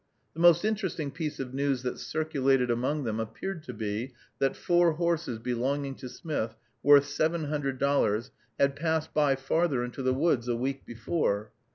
The most interesting piece of news that circulated among them appeared to be, that four horses belonging to Smith, worth seven hundred dollars, had passed by farther into the woods a week before.